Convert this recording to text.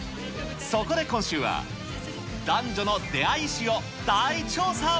そこで今週は、男女の出会い史を大調査。